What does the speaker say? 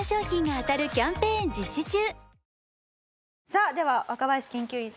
さあでは若林研究員